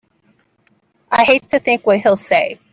I hate to think what he'll say!